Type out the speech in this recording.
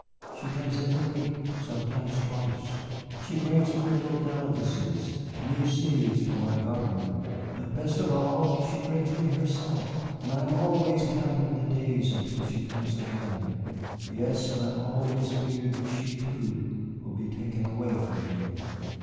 She comes every week, sometimes twice, she brings me little delicacies, new seeds for my garden. But, best of all, she brings me herself, and I am always counting the days until she comes again. Yes, and I always fear that she, too, will be taken away from me."